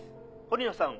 堀野さん